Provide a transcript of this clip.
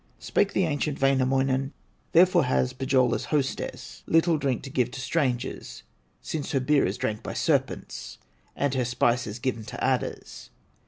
Spake the ancient Wainamoinen: "Therefore has Pohyola's hostess Little drink to give to strangers, Since her beer is drank by serpents, And her spices given to adders."